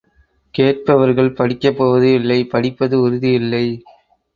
கேட்பவர்கள் படிக்கப்போவது இல்லை படிப்பது உறுதி இல்லை.